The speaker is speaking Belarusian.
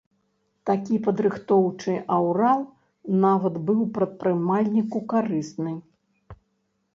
Такі падрыхтоўчы аўрал нават быў прадпрымальніку карысны.